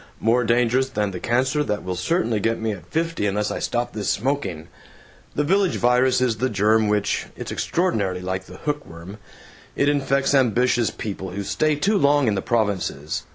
More dangerous than the cancer that will certainly get me at fifty unless I stop this smoking. The Village Virus is the germ which it's extraordinarily like the hook worm it infects ambitious people who stay too long in the provinces.